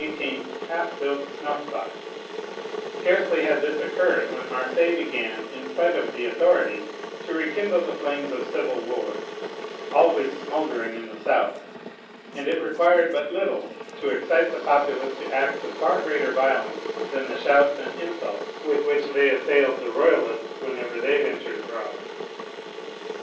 's half filled snuff box,—scarcely had this occurred when Marseilles began, in spite of the authorities, to rekindle the flames of civil war, always smouldering in the south, and it required but little to excite the populace to acts of far greater violence than the shouts and insults with which they assailed the royalists whenever they ventured abroad.